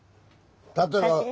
例えば。